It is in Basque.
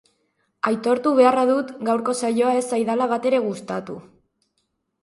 Aitortu beharra dut gaurko saioa ez zaidala batere gustatu.